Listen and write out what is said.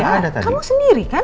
gak ada tadi kamu sendiri kan